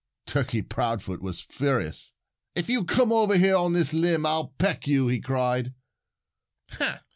Turkey Proudfoot was furious. "If you'll come over here on this limb I'll peck you," he cried.